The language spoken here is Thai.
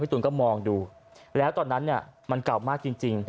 ตูนก็มองดูแล้วตอนนั้นมันเก่ามากจริง